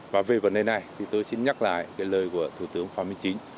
và về vấn đề này thì tôi xin nhắc lại cái lời của thủ tướng phạm minh chính